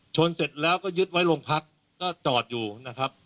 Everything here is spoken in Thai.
เสร็จแล้วก็ยึดไว้โรงพักก็จอดอยู่นะครับ